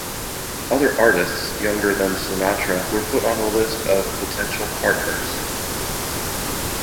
Other artists, younger than Sinatra, were put on the list of potential partners.